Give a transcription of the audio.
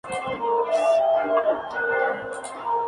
Recibió siete cursos de instrucción y trabajó en el koljós local.